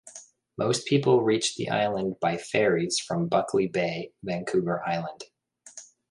Most people reach the island by ferries from Buckley Bay, Vancouver Island.